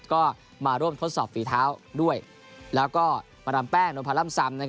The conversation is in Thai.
ก็มาร่วมทดสอบฝีเท้าด้วยแล้วก็มาทำแป้งโดยพันร่ำซำนะครับ